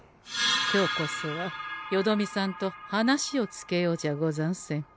今日こそはよどみさんと話をつけようじゃござんせんか。